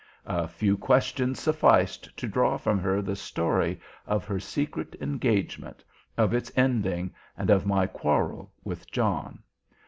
A few questions sufficed to draw from her the story of her secret engagement, of its ending, and of my quarrel with John.